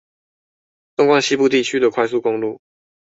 縱貫西部地區的快速公路